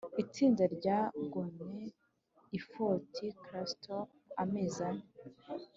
itsinda ryagumye i fort clatsop amezi ane.